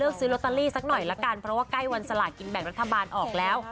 ซื้อลอตเตอรี่สักหน่อยละกันเพราะว่าใกล้วันสลากินแบ่งรัฐบาลออกแล้ว